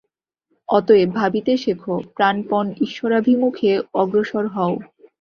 অতএব ভাবিতে শেখ, প্রাণপণ ঈশ্বরাভিমুখে অগ্রসর হও।